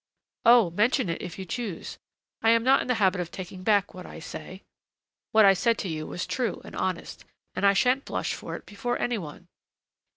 "Oh! mention it, if you choose. I am not in the habit of taking back what I say. What I said to you was true and honest, and I shan't blush for it before any one."